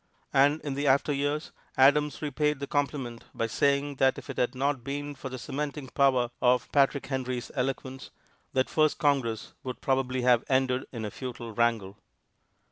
And in after years Adams repaid the compliment by saying that if it had not been for the cementing power of Patrick Henry's eloquence, that first Congress probably would have ended in a futile wrangle.